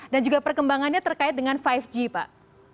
dan juga perkembangannya terkait dengan lima g pak